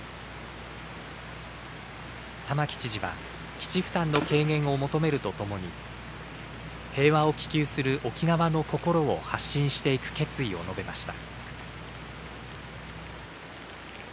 玉城知事は基地負担の軽減を求めるとともに平和を希求する沖縄のこころを発信していく決意を述べました。